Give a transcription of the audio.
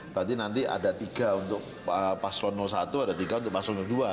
berarti nanti ada tiga untuk paslon satu ada tiga untuk paslon dua